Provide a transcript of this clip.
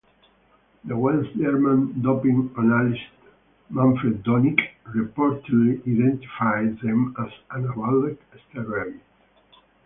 The West German doping analyst Manfred Donike reportedly identified them as anabolic steroids.